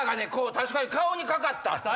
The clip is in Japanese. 確かに顔にかかった。